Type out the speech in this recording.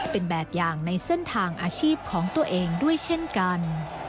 เป็นแบบอย่างในเส้นทางอาชีพของตัวเองด้วยเช่นกัน